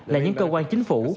là những cơ quan chính phủ